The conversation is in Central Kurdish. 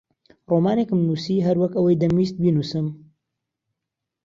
ڕۆمانێکم نووسی هەر وەک ئەوەی دەمویست بینووسم.